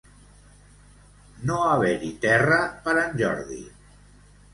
No haver-hi terra per en Jordi.